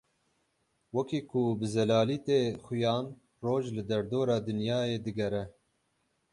Wekî ku bi zelalî tê xuyan Roj li derdora Dinyayê digere.